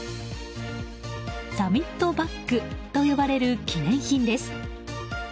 サミットバッグと呼ばれる記念品です。